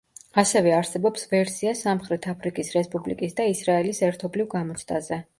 ასევე არსებობს ვერსია სამხრეთ აფრიკის რესპუბლიკის და ისრაელის ერთობლივ გამოცდაზე.